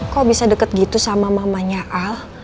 kok bisa deket gitu sama mamanya al